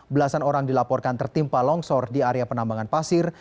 belasan orang dilaporkan tertimpa longsor di area penambangan pasir